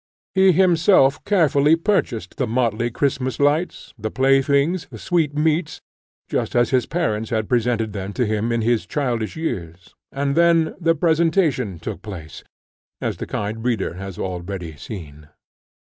He himself carefully purchased the motley Christmas lights, the playthings, the sweetmeats, just as his parents had presented them to him in his childish years; and then the presentation took place, as the kind reader has already seen.